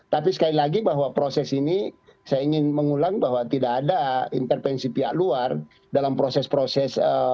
tapi sekali lagi bahwa proses ini saya ingin mengulang bahwa tidak ada intervensi pihak luar dalam proses proses